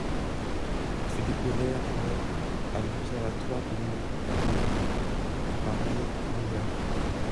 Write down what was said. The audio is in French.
Il fut découvert le à l'Observatoire du Mont Palomar par Maik Meyer.